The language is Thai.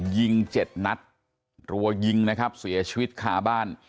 ยิงเจ็ดนัดรัวยิงนะครับเสียชีวิตคาบ้าน